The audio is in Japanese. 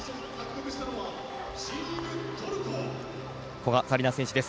古賀紗理那選手です。